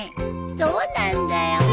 そうなんだよ。